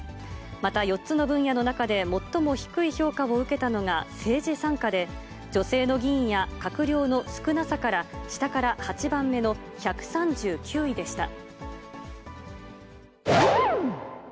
また、４つの分野の中で最も低い評価を受けたのが政治参加で、女性の議員や閣僚の少なさから、下から８番目の１３９位でした。